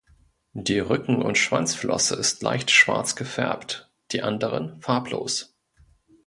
Die Rücken- und Schwanzflosse ist leicht schwarz gefärbt, die anderen farblos.